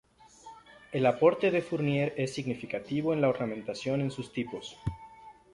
El aporte de Fournier es significativo en la ornamentación en sus tipos.